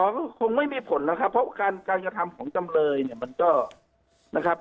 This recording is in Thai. อ๋อคงไม่มีผลนะค่ะเพราะว่าการทำของจำเปลยเนี่ยมันก็นะครับ